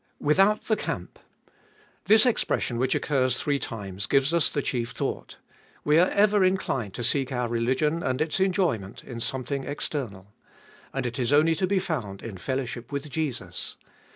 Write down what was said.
Without the camp. This expression, which occurs three times, gives us the chief thought We are ever inclined to seek our religion and its enjoyment in something external. And it is only to be found in fellowship with Jesus.